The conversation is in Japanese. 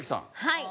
はい。